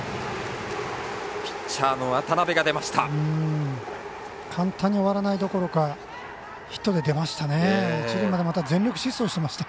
ピッチャーの渡邊が出ました。